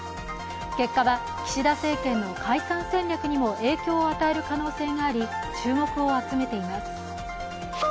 結果は岸田政権の解散戦略にも影響を与える可能性があり注目を集めています。